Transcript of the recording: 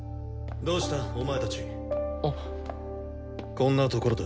こんなところで。